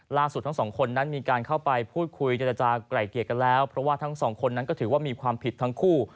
ล่าสุดทั้งสองคนนั้นมีการเข้าไปพูดคุยเจรจากลายเกลียดกันแล้วเพราะว่าทั้งสองคนนั้นก็ถือว่ามีความผิดทั้งคู่